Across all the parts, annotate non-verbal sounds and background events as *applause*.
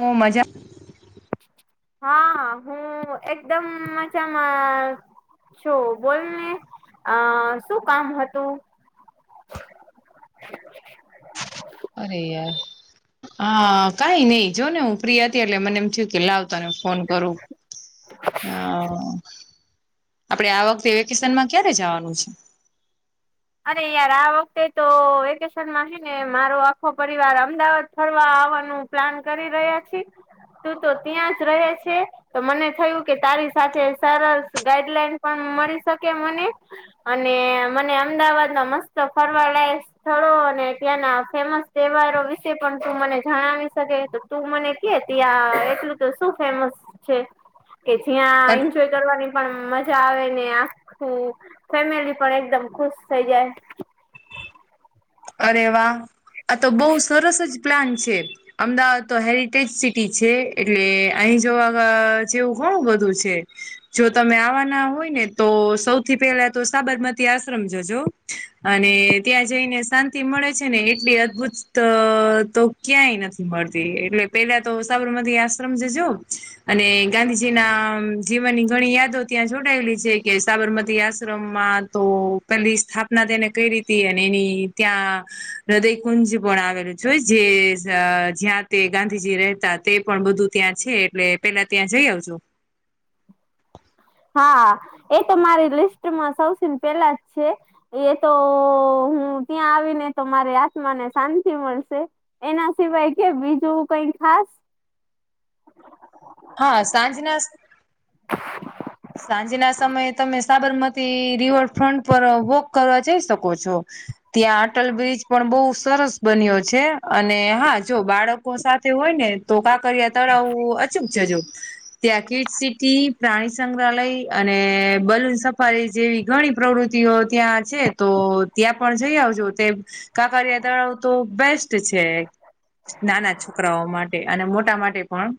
હું મજા હા હું એકદમ મજામા. છો બોલને અ શું કામ હતું. અરે યાર હા કઈ નહી જો ને હું ફ્રી હતી એટલે મને એમ થયું કે લાવ તને ફોન કરું અ આપડે આ વખતે વેકેશનમાં ક્યારે જાવાનું છે. અરે યાર આ વખતે તો વેકેશનમાં છે ને મારો આખો પરિવાર અમદાવાદ ફરવા આવવાનું પ્લાન કરી રહ્યા છે તું તો ત્યાં જ રહે છે. તો મને થયું કે તારી સાથે સરસ ગાઈડલાઈન પણ મળી શકે મને. અને મને અમદાવાદમાં મસ્ત ફરવા લાયક સ્થળો અને ત્યાંના ફેમસ તહેવારો વિશે પણ તું મને જણાવી શકે? તું મને કે ત્યાં એટલું તો શું ફેમસ છે કે જ્યાં એન્જોય કરવાની પણ મજા આવે ને આખું ફેમિલી પણ એકદમ ખુશ થઈ જાય. અરે વાહ! આ તો બહુ સરસ જ પ્લાન છે. અમદાવાદ તો હેરિટેજ સિટી છે એટલે અહીં જોવા વા જેવું ઘણું બધું છે. જો તમે આવાના હોય ને, તો સૌથી પહેલા તો સાબરમતી આશ્રમ જજો. અને ત્યાં જઈને શાંત મળે છે ને એટલી અદ્દભુત તો ક્યાંય નથી મળતી, એટલે પેલા તો સાબરમતી આશ્રમ જજો, અને ગાંધીજીના જીવનની ઘણી યાદો ત્યાં જોડાયેલી છે કે સાબરમતી આશ્રમમાં તો પેલી સ્થાપના તેને કરી હતી અને એની ત્યા હૃદય કુંજ પણ આવેલું જોય જે જ જ્યાં તે ગાંધીજી રહેતા તે પણ બધું ત્યા છે એટલે પેલા ત્યાં જઈ આવજો. હા, એ તો મારી લિસ્ટમાં સૌથી પેલા જ છે. એ તો હું ત્યાં આવીને તો મારી આત્મા ને શાંતિ મળશે. એના સિવાય કે, બીજું કઈ ખાસ? હા, સાંજના સ સાંજના સમયે તમે સાબરમતી રિવરફ્રન્ટ પર વોક કરવા જઈ શકો છો. ત્યા અટલ બ્રિજ પણ બહુ સરસ બન્યો છે. અને હા, જો બાળકો સાથે હોય ને તો કા કાંકરીયા તળાવ અચૂક જજો. ત્યાં કિડ સિટી, પ્રાણી સંગ્રહાલય અને બલૂન સફારી જેવી ઘણી પ્રવૃત્તિઓ ત્યાં છે તો ત્યાં પણ જઈ આવજો તેમ કાંકરીયા તળાવ તો બેસ્ટ છે. નાના છોકરાઓ માટે અને મોટા માટે પણ.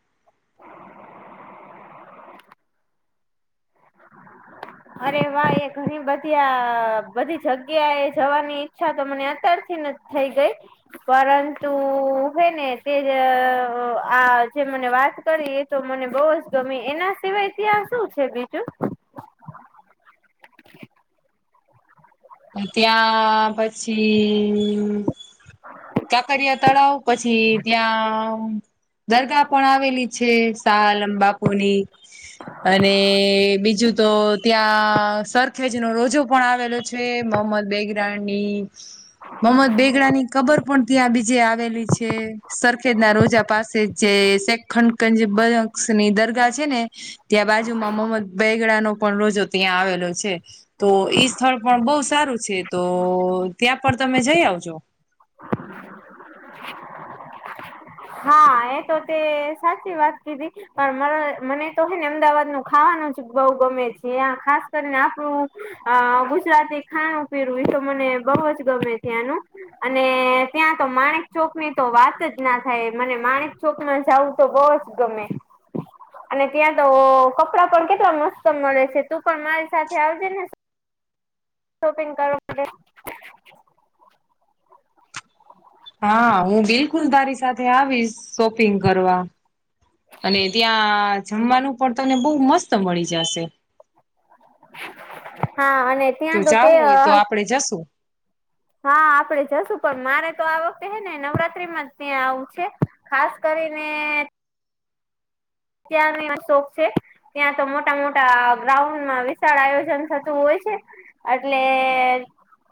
અરે વા! એ ઘણી બધી આ બધી જગ્યા એ જવાની ઈચ્છા તો મને અત્યારથી ન જ થઈ ગઈ. પરંતુ હે ને તે આ જે મને વાત કરી. તો મને બહુ જ ગમી. એના સિવાય ત્યાં શું છે બીજું? *inaudible* ત્યાં પછી કાંકરીયા તળાવ પછી ત્યાં દરગાહ પણ આવેલી છે, શાહ આલમ બાપુની. અને બીજું તો ત્યાં સરખેજનો રોજો પણ આવેલો છે, મહમદ બેગડાની મહમદ બેગડાની કબર પણ ત્યાં બીજે આવેલી છે, સરખેજના રોજા પાસે જે સેક ખંડ ગંજબક્ષની દરગાહ છે ને, ત્યાં બાજુમાં મહમદ બેગડા નો પણ રોજો ત્યાં આવેલો છે, તો ઈ સ્થળ પણ બહુ સારું છે તો ત્યાં પણ તમે જઈ આવજો. હા એતો તે સાચી વાત કીધી. પણ મને તો હે ને અમદાવાદ નું ખાવાનું જ બહુ ગમે છે ખાસ કરીને આપણું અ ગુજરાતી ખાણું પીણું એતો મને બહુ જ ગમે ત્યાંનુ. અને ત્યાં તો માણેક ચોકની તો વાત જ ના થાય મને માણેક ચોકમાં જવું તો બહુ જ ગમે. અને ત્યાં તો કપડા પણ કેટલા મસ્ત મળે છે તું પણ મારી સાથે આવજે ને. શોપિંગ કરવા માટે. હા હું બિલકુલ તારી સાથે આવીશ શોપિંગ કરવા. અને ત્યાં જમવાનું પણ તને બહુ મસ્ત મળી જાશે. હા અને તો ત્યાં તે જાવું હોય તો આપડે જશું. હા, આપડે જશું પણ મારે તો આ વખતે હે ને નવરાત્રીમા જ ત્યાં આવવું છે. ખાસ કરીને અત્યાંનો એ શોખ છે. ત્યાં તો મોટા મોટા ગ્રાઉન્ડમાં વિશાળ આયોજન થતું હોય છે. એટલે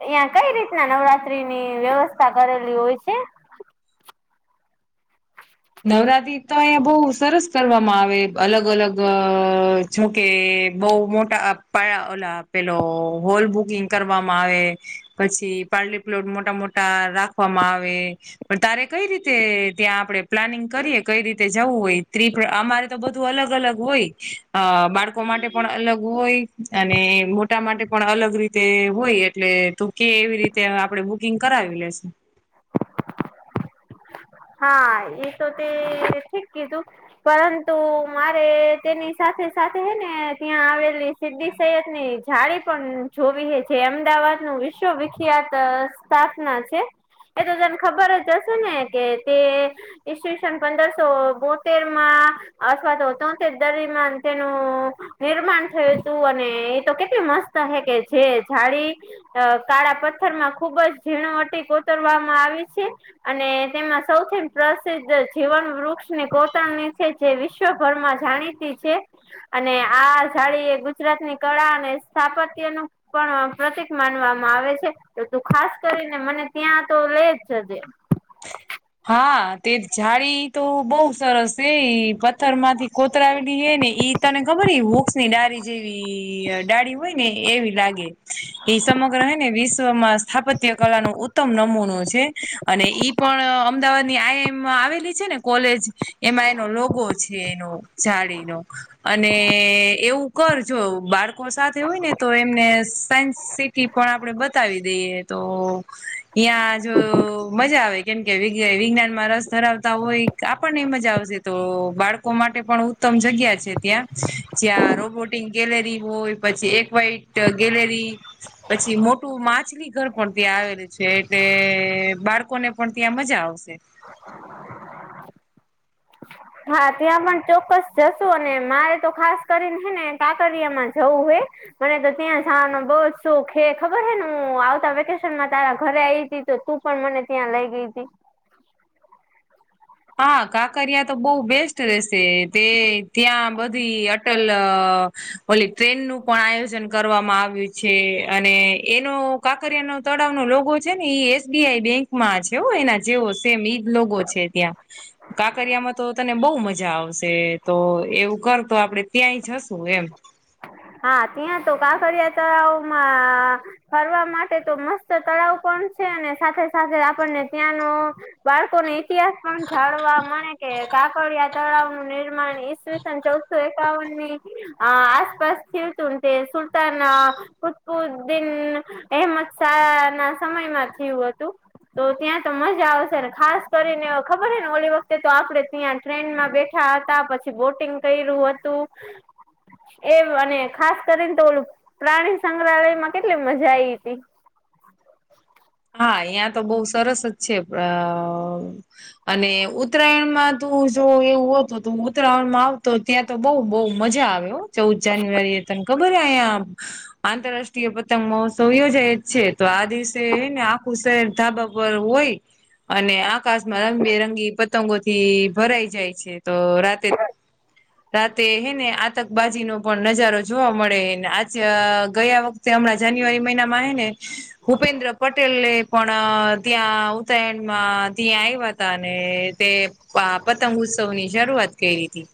અ્યાં કઈ રીતના નવરાત્રી ની વ્યવસ્થા કરેલી હોય છે? નવરાત્રી તો અહીયાયા બહ સરસ કરવામાં આવે અલગ અલગ જોકે બહ મોટા ઓલા પેલો હોલ બુકિંગ કરવામાં આવે. પછી પારલી પ્લોટ મોટા મોટા રાખવામાં આવે. પણ તારે કઈ રીતે ત્યાં આપડે પ્લાનિંગ કરીએ કઈ રીતે જવું હોય ટ્રીપ અમારે તો બધું અલગ અલગ હોય. અ બાળકો માટે પણ અલગ હોય અને મોટા માટે પણ અલગ રીતે હોય એટલે ત કે એવી રીતે આપડે બુકિંગ કરાવી લેસ. *inaudible* હા એ તો તે ઠીક કીધું. પરંતુ મારે તેની સાથે સાથે હે ને ત્યાં આવેલી સિદ્ધી સહત ની જાળી પણ જોવી હ જે અમદાવાદ નું વિશ્વવિખ્યાત સફ ના છે, એ તો તને ખબર જ હશે ને કે તે ઈસવીસન પંદરસો બોતેર માં અશવાતત તધારમાંં તેનું નિર્માણ થયું હતું અને એ તો કેટલી મસ્ત હે કે જે જાડી. અ કાળા પથ્થર માં ખુબ જ ઝીણવટી કોતરવામાં આવી છે, અને તેમાં સૌથી પ્રસિદ્ધ જીવન વૃક્ષની ગતાણની છે જે વિશ્વભરમાં જાણીતી છે. અને આ જાડી એ ગુજરાતની કળા અને સ્થાપત્ય નું પણ પ્રતિક માનવામાં આવે છે, તો તું ખાસ કરીને મને ત્યાં તો લે જજે. *inaudible* હા તે જાડી તો બહુ સરસ છે પથ્થર માંથી કોતરાવેલી હે ને ઈ તને ખબર વોક્ષ ની ડાળારી જેવી ડાળી હોય ને એવી લાગે. એ સમગ્ર હ ને વિશ્વમાં સ્થાપત્ય કલા ન ઉત્તમ નમૂનો છે, અને ઈ પણ અમદાવાદની આઈમમાં આવેલી છે ને કોલેજ, એમાં એનો લોગો છે એનો. જાડી ન, અને એવું કર જો, બાળકો સાથે હોય ને તો એમને સાયન્સ સિટી પણ આપણે બતાવી દઈએ. તો યાં જો મજા આવે. કેમ કે વિજ્ઞ *unintelligible* વિજ્ઞાન માં રસ ધરાવતા હોય, આપણને મજા આવશે તો બાળક કો માટે પણ ઉત્તમ જગ્યા છે ત્યાં. જ્યાં રોબોટિક ગેલેરી હોય, પછી એક વાઈટ ટ ગેલેરી પછી મોટું માછલી ઘર પણ ત્યાં આવેલું છે. એટલે બાળકોને પણ ત્યાં મજા આવે વશે. હા. ત્યાં પણ ચોક્કસ જશું. અને મારે તો ખાસ કરીન હે ને કાંકરિયામાં જવું હે. મને તો ત્યાં જાવાનો બહું શોખ હે, ખબર હે ને હું આવતા વેકેશન માં તારા ઘરે આઈવી તી તો તું પણ મને ત્યાં લઈ ગઈ તી. હા. કાંકરિયા તો બહુ બેસ્ટ રહેશે. તે ત્યાં બધી અટલ અહ ઓલી ટ્રેન નું પણ આયોજન કરવામાં આવ્યું છે અને એનો કાંકરિયા નો તળાવ નો લોગો છે ને ઈ એસ બી આઈ બેંક માં છે હો, એના જેવો સેમ ઈ જ લોગો છે ત્યાં. કાંકરિયામાં તો તને બહુ મજા આવશે. તો એવું કર તો આપડે ત્યાંય જશું એમ. હા. ત્યાં તો કાંકરિયા તળાવમાં ફરવા માટે તો મસ્ત તળાવ પણ છે. અને સાથે-સાથે આપણને ત્યાંનો બાળકોને ઇતિહાસ પણ જાણવા મળે, કે કાંકરિયા તળાવ નું નિર્માણ ઈસવીસન ચૌદસો એકાવન ની આસપાસ થયું તું ને તે સુલતાન અહ કુત્બુદીન અહેમદશાહ ના સમયમાં થયું હતું. તો ત્યાં તો મજા આવશે. ખાસ કરીને ખબર હે ને ઓલી વખતે તો આપણે ત્યાં ટ્રેનમાં બેઠા હતા પછી, બોટિંગ કઈરું હતું એ અને ખાસ કરીન તો ઓલું પ્રાણી સંગ્રહાલય માં કેટલી મજા આઈવી તી. હા યા તો બહુ સરસ જ છે. અહ અને ઉત્તરાયણમાં તું જો એવું હોત તો ઉત્તરાયણમાં આવતો ત્યાં તો બઉ-બઉ મજા આવે હો, ચૌદ જાન્યુઆરીએ *unintelligible* ખબર હે અહીયાં આંતરરાષ્ટ્રીય પતંગ મહોત્સવ યોજાઈ જ છે. તો આ દિવસે ને આખું શહેર ધાબા પર હોય. અને આકાશમાં રંગબેરંગી પતંગોથી ભરાઈ જાય છે. તો રાતે રાતે હે ને આતકબાજી નો પણ નજારો જોવા મળે, ને *unintelligible* ગયા વખ તે હમણાં જાન્યુઆરી મહિનામાં હે ને ભૂપેન્દ્ર પટેલે પણ ત્યાં ઉત્તરાયણ માં ત્યાં આવ્યા હતા, ને તે પા પતંગ ઉત્સવ ની શરૂઆત કઈરી તી.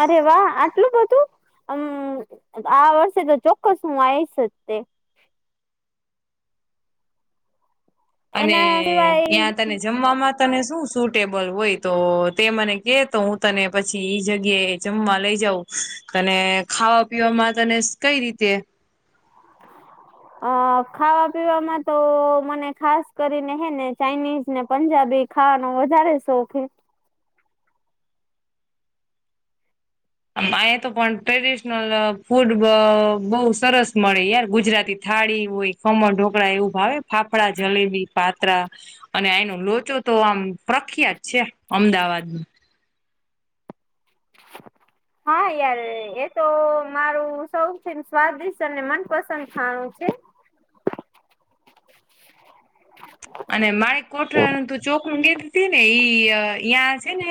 અરે વાહ! આટલું બધું. અમ્મ આ વર્ષે તો ચોક્કસ હું આઈશ જ તે. અને એના સિવાય યાં તને જમવામાં તને શું સુટેબલ હોય? તો તે મને કે તો હું તને પછી ઈ જગ્યાએ જમવા લઈ જઉં. અને ખાવા પીવામાં તને કંઈ રીતે *inaudible* અહ ખાવા પીવામાં તો મને ખાસ કરીને હે ને ચાઈનીઝ ને પંજાબી ખાવાનું વધારે શોખ હે. અહિયાં તો પણ ટ્રેડિશનલ ફૂડ બ બહુ સરસ મળે યાર. ગુજરાતી થાળી હોય ખમણ ઢોકળા એવું ભાવે? ફાફડા, જલેબી, પાત્રા અને આઈનો લોચો તો આમ પ્રખ્યાત છે અમદાવાદનો. હા યાર એ તો મારું સૌથી સ્વાદિષ્ટ અને મનપસંદ ખાણું છે. અને મારે કોઠરા ન તો ચોકનું કેતી તી ને ઈ અહીંયા છે ને.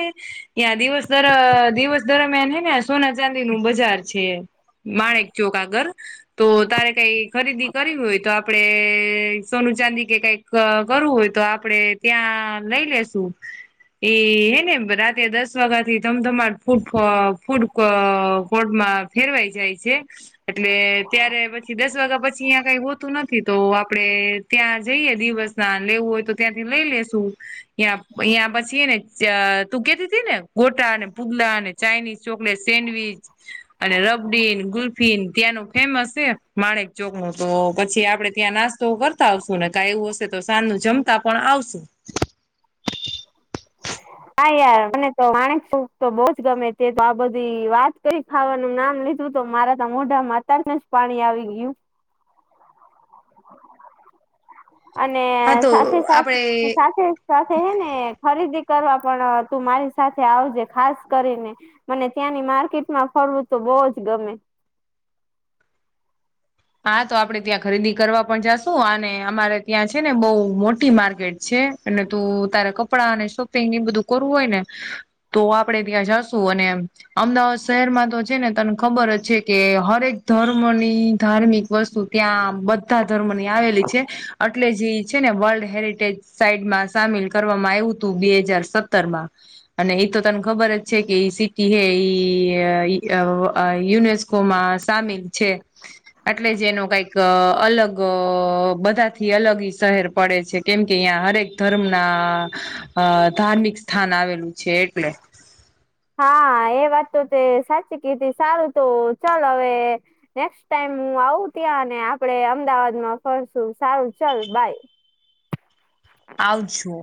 ઇયાં દિવસ દર દિવસ દરમિયાન હ ને સોના ચાંદીનું બજાર છે માણેક ચોક આગળ. તો તારે કઈ ખરીદી કરવી હોય તો આપડે સોનું ચાંદી કે કઈક ક કરવું હોય તો આપડે ત્યાં લઈ લેશું. એ હે ને રાતે દસ વાગ્યા થી ધમધ ફૂડ-ફૂડ અ કોર્ટમાં ફેરવાઈ જાય છે. એટલે ત્યારે પછી દસ વાગ્યા પછી અયાં કઈ હોતું નથી તો આપડે ત્યાં જઈએ દિવસ ના લેવું હોય તો ત્યાંથી લઈ લેેશું. યહાં યહાં પછી હેને તું કેતી હતી ને ગોટા અને પૂગલા અને ચાઇનીઝ, ચોકલેટ, સેન્ડવીચ. અને રબડીન, ગુલ્ફીન ત્યાંનું ફેમસ છે માણેક ચોકનું તો પછી આપડે ત્યાં નાસ્તા તો કરતા આવશું ને કા એવું હશે તો સાજ નું જમતા પણ આવશું. હા યાર મને તો માણકચોક તો બહુ જ ગમે તે આ બધી વાત કરી ખાવાનું નામ લીધું તો મારે તો મોઢામા અતારથી જ પાણી આવી ગયું. અને હા તો આપડે સાથે-સાથે-સાથે સાથે હે ને ખરીદી કરવા પણ તું મારી સાથે આવજે ખાસ કરીને. મને ત્યાંની માર્કેટમાં ફરવું તો બોહ જ ગમે. હા તો આપડે ત્યાં ખરીદી કરવા પણ જાશુ અને અમારે ત્યાં છે ને બહુ મોટી માર્કેટ છે. અને તું તારે કપડાં અને સોપિંગ એ બધું કરવું હોય ને તો આપણેે ત્યાં જાશું અને અમદાવાદ શહેરમાં તો છે ને તને ખબર જ છે કે હરેક ધર્મની ધાર્મિક વસ્તુ ત્યાં બધા ધર્મોની આવેલી છે એટલે જે છે ને વર્લ્ડ હેરિટેજ સાઈડમાં સામેલ કરવામાં આવ્યું તું બે હજાર સત્તરમાં અને એ તો તને ખબર જ છે કે સિટી હ યુનેસ કોમાં સામેલ છે. એટલે જે એનો કઈક અલગ અ બધા થી અલગ ઈ શહેર પડે છે. કેમ કે અહિયાં હરેક ધર્મના અ ધાર્મિક સ્થાન આવેલું છે એટલે. હા એ વાત તો તે સાચી કીધી સારું તો ચલ હવે નેક્સ્ટ ટાઈમ હું આવું ત્યાં અને આપડે અમદાવાદમાં ફરશું સારું ચાલ બાય. આવજો.